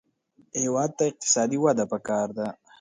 هېواد ته اقتصادي وده پکار ده